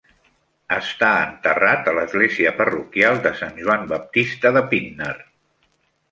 Està enterrat a l'església parroquial de Sant Joan Baptista de Pinner.